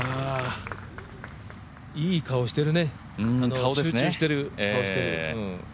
いい顔してるね、集中してる顔してる。